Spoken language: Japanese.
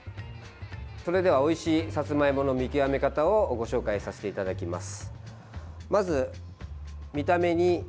それでは、おいしいさつまいもの見極め方をご紹介させていただきます。